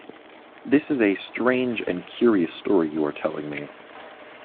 This is a strange and curious story you are telling me.